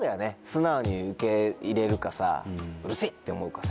素直に受け入れるか「うるせぇ！」って思うか。